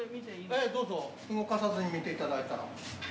ええどうぞ動かさずに見て頂いたら。